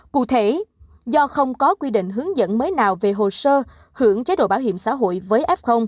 cụ thể do không có quy định hướng dẫn mới nào về hồ sơ hưởng chế độ bảo hiểm xã hội với f